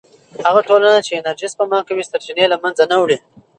هغه ټولنه چې انرژي سپما کوي، سرچینې نه له منځه وړي.